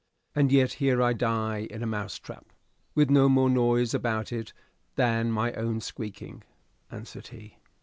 "And yet here I die in a mousetrap with no more noise about it than my own squeaking," answered he.